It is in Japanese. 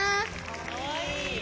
かわいい。